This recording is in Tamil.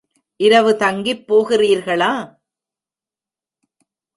இரவு தங்கிப் போகிறீர்களா?